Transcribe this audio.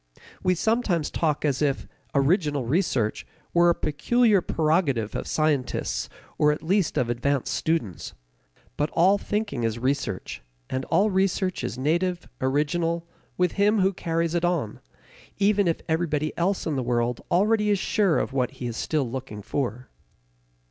We sometimes talk as if "original research" were a peculiar prerogative of scientists or at least of advanced students. But all thinking is research, and all research is native, original, with him who carries it on, even if everybody else in the world already is sure of what he is still looking for.